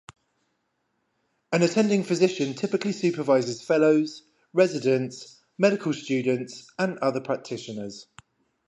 An attending physician typically supervises fellows, residents, medical students, and other practitioners.